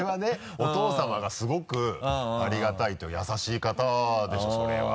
お義父さまがすごくありがたい優しい方でしょそれは。